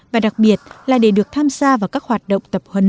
và đặc biệt là để được tham gia vào các hoạt động tập huấn